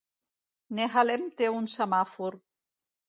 Nehalem té un semàfor.